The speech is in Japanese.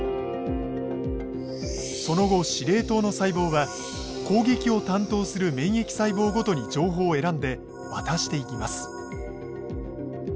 その後司令塔の細胞は攻撃を担当する免疫細胞ごとに情報を選んで渡していきます。